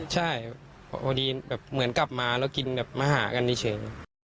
ใช่เหมือนกลับมาแล้วกินแบบมาหากันนี่เฉย